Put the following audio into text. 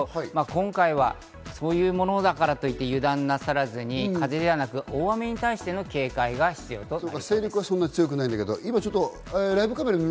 今回はそういうものだからといって、油断なさらずに風ではなく大雨に対する警戒が必要です。